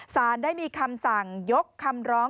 สารได้มีคำสั่งยกคำร้อง